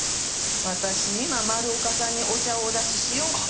私今丸岡さんにお茶をお出ししようかと。